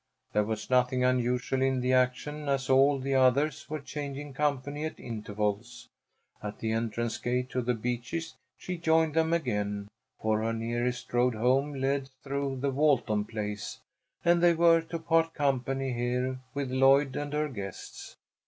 There was nothing unusual in the action, as all the others were changing company at intervals. At the entrance gate to The Beeches she joined them again, for her nearest road home led through the Walton place, and they were to part company here with Lloyd and her guests.